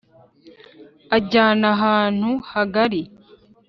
Anjyana ahantu hagari